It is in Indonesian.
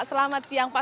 selamat siang pak